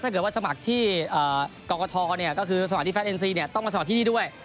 ถ้าเกิดว่าสมัครที่กองกฐเนี่ยก็คือสมัครที่แฟสเอ็นซีเนี่ยต้องมาสมัครที่นี่ด้วย